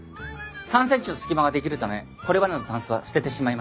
３センチの隙間ができるためこれまでのタンスは捨ててしまいました。